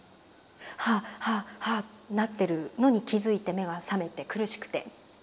ハアハアハアなってるのに気付いて目が覚めて苦しくて。